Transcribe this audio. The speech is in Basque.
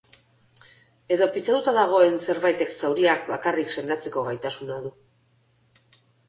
Edo pitzatuta dagoen zerbaitek zauria bakarrik sendatzeko gaitasuna du.